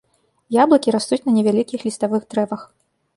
Яблыкі растуць на невялікіх ліставых дрэвах.